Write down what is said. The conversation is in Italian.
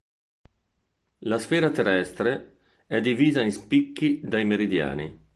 La sfera terrestre è divisa in spicchi dai meridiani.